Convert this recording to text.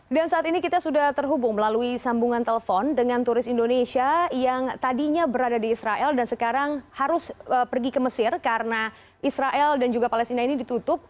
dan saat ini kita sudah terhubung melalui sambungan telepon dengan turis indonesia yang tadinya berada di israel dan sekarang harus pergi ke mesir karena israel dan juga palestina ini ditutup